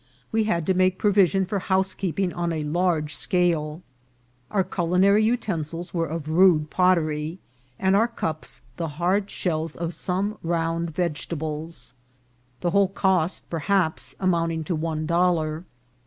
We had to make provision for housekeeping on a large scale ; our culinary utensils were of rude pottery, and our cups the hard shells of some round vegetables, the whole cost, perhaps, amounting to one dollar.